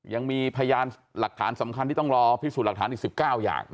ยังมีพยานหลักฐานสำคัญที่ต้องรอพิสูจน์หลักฐานอีก๑๙อย่าง